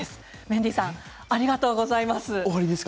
メンディーさんありがとうございます。